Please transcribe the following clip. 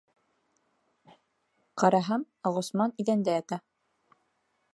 Ҡараһам, Ғосман иҙәндә ята...